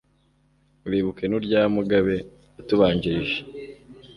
Uribuke n’urya Mugabe watubanjirije